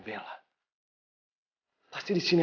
pergi dari sini